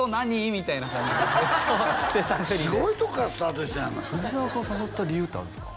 みたいな感じで手探りですごいとこからスタートしたんやな藤澤君を誘った理由ってあるんですか？